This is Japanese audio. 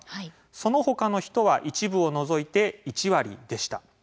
その他の人は一部を除いて１割でした。